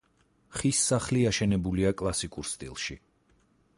ხის სახლი აშენებულია კლასიკურ სტილში.